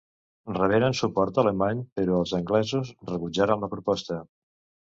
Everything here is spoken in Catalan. Reberen suport alemany, però els anglesos rebutjaren la proposta.